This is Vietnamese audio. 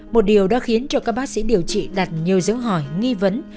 một điều đã khiến cho các bác sĩ điều trị đặt nhiều dấu hỏi nghi vấn